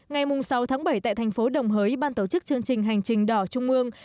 ngày sáu tháng bảy tại thành phố đồng hới ban tổ chức chương trình hành trình đỏ trung mương